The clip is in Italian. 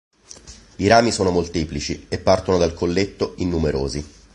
I rami sono molteplici e partono dal colletto in numerosi.